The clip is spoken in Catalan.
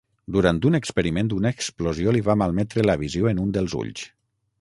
Durant un experiment, una explosió li va malmetre la visió en un dels ulls.